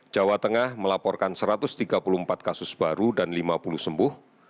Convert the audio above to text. jawa tengah melaporkan satu ratus tiga puluh empat kasus baru dan lima puluh sembuh